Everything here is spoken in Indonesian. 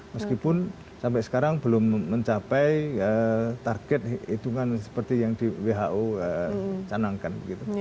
meskipun sampai sekarang belum mencapai target hitungan seperti yang di who canangkan